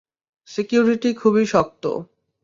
Security খুবই শক্ত।